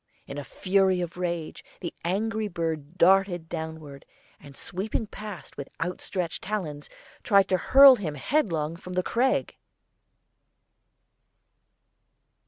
In a fury of rage the angry bird darted downward, and sweeping past with outstretched talons, tried to hurl him headlong from the crag.